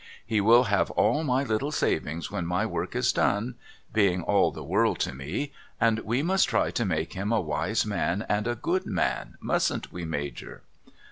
He will have all my little savings when my work is done (being all the world to me) and w'e must try to make him a wise man and a good man, mustn't we Major